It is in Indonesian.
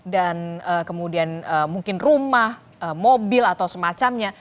dan kemudian mungkin rumah mobil atau semacamnya